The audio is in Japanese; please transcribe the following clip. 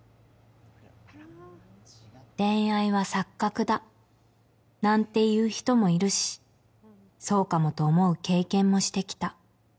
恋愛は錯覚だ、なんて言う人もいるし、そうかもと思う経験もしてきた。